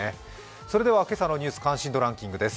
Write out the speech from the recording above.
それでは今朝のニュース関心度ランキングです。